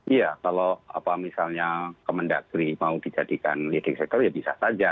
iya kalau misalnya kementerian dalam negeri mau dijadikan leading sector ya bisa saja